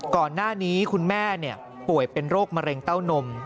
ก่อนหน้านี้คุณแม่ป่วยเป็นโรคมะเร็งเต้านม